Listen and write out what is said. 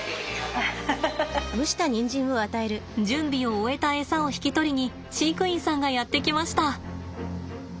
準備を終えたエサを引き取りに飼育員さんがやって来ました。